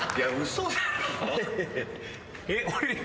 嘘だろ？